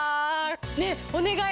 ねえお願い。